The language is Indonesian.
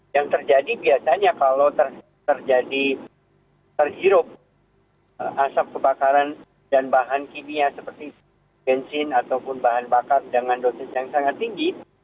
yang terjadi biasanya kalau terjadi terhirup asap kebakaran dan bahan kimia seperti bensin ataupun bahan bakar dengan dosis yang sangat tinggi